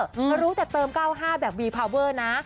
แล้วรู้แต่เติมเก้าห้าแบบวีพาวเวอร์นะ